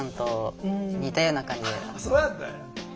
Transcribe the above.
そうやったんや。